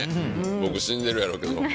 僕死んでるでしょうけど。